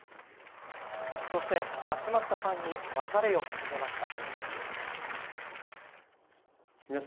そして、集まったファンに別れを告げました。